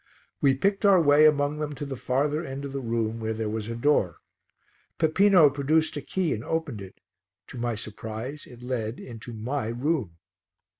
We picked our way among them to the farther end of the room where there was a door. Peppino produced a key and opened it; to my surprise it led into my room.